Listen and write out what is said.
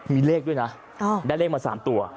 มีเลขด้วยนะได้เลขมา๓ตัว